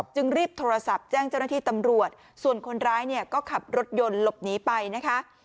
จึงรีบโทรศัพท์แจ้งเจ้าหน้าที่ตำรวจส่วนคนร้ายเนี่ยก็ขับรถยนต์หลบหนีไปนะคะ